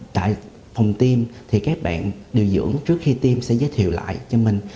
tại phòng tiêm các bạn điều dưỡng trước khi tiêm sẽ giới thiệu lại cho mình